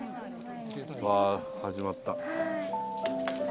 わ始まった。